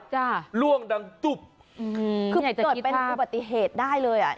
จ้ะล่วงดังตุ๊บอืมคือเกิดไปบรรติเหตุได้เลยอ่ะ